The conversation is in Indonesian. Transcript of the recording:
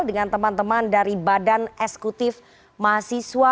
dengan teman teman dari badan esekutif mahasiswa bapak